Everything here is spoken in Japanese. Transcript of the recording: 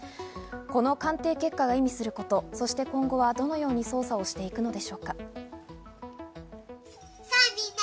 この鑑定結果が意味すること、そして今後はどのように捜査をしていくのでしょうか？